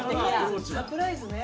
サプライズね。